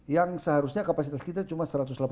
yang seharusnya kapasitas kita cuma satu ratus delapan puluh